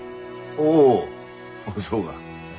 おおそうが。